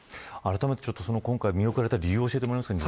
あらためて今回、見送られた理由を教えてもらえますか。